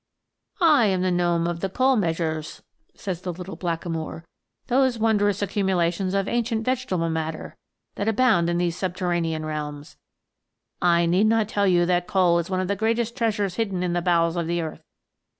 " I am the gnome of the coal measures," says the little blackamoor ;" those wondrous accumulations of ancient vegetable matter that abound in these subterranean realms. I need not tell you that coal is one of the greatest treasures hidden in the bowels of the earth.